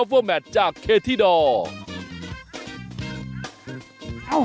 ช่วงหน้าครับ